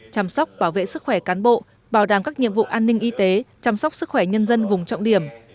chăm sóc bảo vệ sức khỏe cán bộ bảo đảm các nhiệm vụ an ninh y tế chăm sóc sức khỏe nhân dân vùng trọng điểm